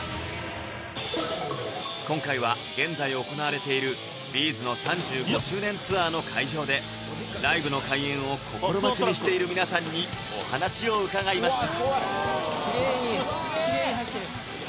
今回は現在行われている「Ｂ’ｚ」の３５周年ツアーの会場でライブの開演を心待ちにしている皆さんにお話を伺いました